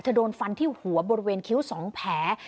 โดนฟันที่หัวบริเวณคิ้ว๒แผล